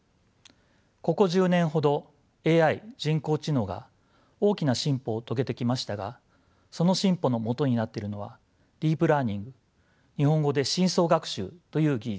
ここ１０年ほどＡＩ人工知能が大きな進歩を遂げてきましたがその進歩のもとになっているのはディープ・ラーニング日本語で深層学習という技術です。